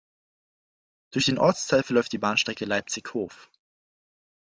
Durch den Ortsteil verläuft die Bahnstrecke Leipzig–Hof.